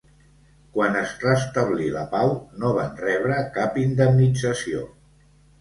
Quan es restablí la pau, no van rebre cap indemnització.